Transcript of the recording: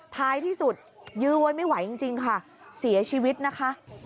ท้ายที่สุดยื้อไว้ไม่ไหวจริงค่ะเสียชีวิตนะคะ